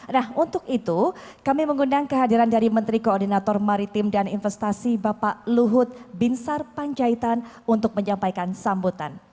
nah untuk itu kami mengundang kehadiran dari menteri koordinator maritim dan investasi bapak luhut binsar panjaitan untuk menyampaikan sambutan